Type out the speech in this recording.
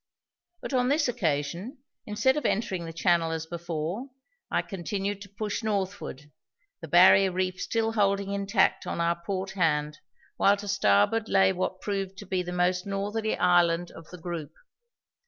But on this occasion, instead of entering the channel as before, I continued to push northward, the barrier reef still holding intact on our port hand while to starboard lay what proved to be the most northerly island of the group.